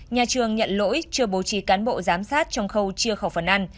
nhà trường nhận lỗi chưa bố trí cán bộ giám sát trong khâu chia khẩu phần ăn